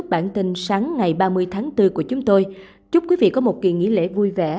bản tin sáng ngày ba mươi tháng bốn của chúng tôi chúc quý vị có một kỳ nghỉ lễ vui vẻ